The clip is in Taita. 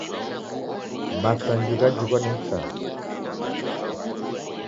Masanji ghajhingwa ni msaghu.